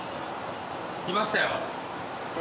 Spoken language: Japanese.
来ましたよ。